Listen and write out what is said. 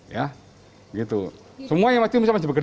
ya gitu semuanya masih bekerja tim khusus ini